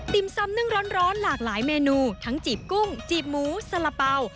ซ้ำนึ่งร้อนหลากหลายเมนูทั้งจีบกุ้งจีบหมูสละเป๋า